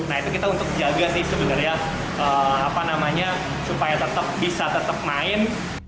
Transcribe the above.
nah itu kita untuk jaga sih sebenarnya supaya bisa tetap main